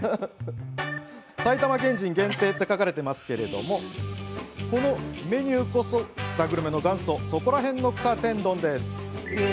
埼玉県人限定って書かれていますがこのメニューこそ草グルメの元祖そこらへんの草天丼。